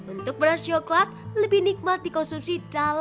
untuk beras coklat lebih nikmat dikonsumsi